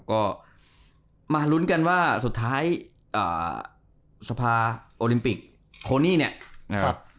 ก็มาลุ้นกันว่าสุดท้ายสภาโอลิมปิกโคนี่เนี่ยนะครับ